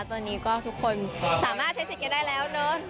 ตอนนี้ก็ทุกคนสามารถใช้สิทธิ์กันได้แล้วเนอะ